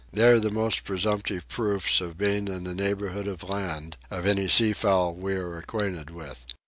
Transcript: They are the most presumptive proofs of being in the neighbourhood of land of any seafowl we are acquainted with.